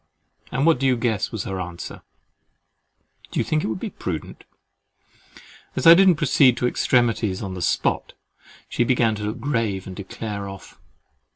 And what do you guess was her answer—"Do you think it would be prudent?" As I didn't proceed to extremities on the spot, she began to look grave, and declare off.